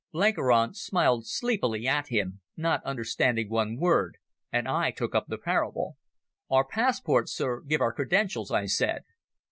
Blenkiron smiled sleepily at him, not understanding one word, and I took up the parable. "Our passports, Sir, give our credentials," I said.